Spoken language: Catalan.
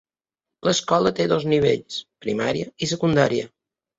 L'escola té dos nivells: primària i secundària.